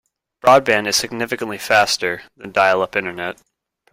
Broadband is significantly faster than dial-up internet.